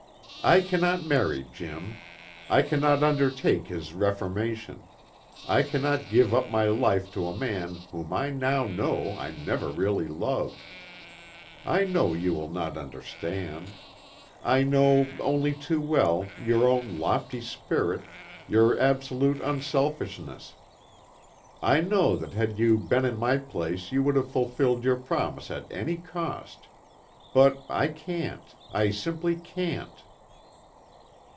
"I cannot marry Jim. I cannot undertake his reformation. I cannot give up my life to a man whom I now know I never really loved. I know you will not understand. I know, only too well, your own lofty spirit, your absolute unselfishness. I know that had you been in my place you would have fulfilled your promise at any cost. But I can't. I simply can't."